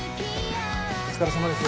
お疲れさまです。